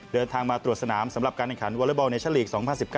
เดินทางมาตรวจสนามสำหรับการแข่งขันวอเลอร์บอลเนชั่นลีก๒๐๑๙